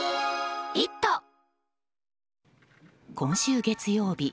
今週月曜日